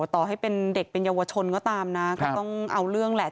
ต่อให้เป็นเด็กเป็นเยาวชนก็ตามนะก็ต้องเอาเรื่องแหละ